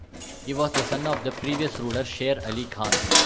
He was the son of the previous ruler, Sher Ali Khan.